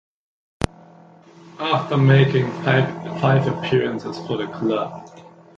After making five appearances for the club.